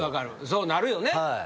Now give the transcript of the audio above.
そうなるよね。